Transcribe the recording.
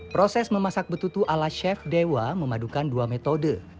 proses memasak betutu ala chef dewa memadukan dua metode